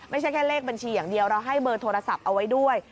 ไม่ใช่แค่เลขบัญชีอย่างเดียวเราให้เบอร์โทรศัพท์เอาไว้ด้วย